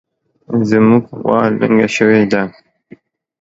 زمونږ غوا لنګه شوې ده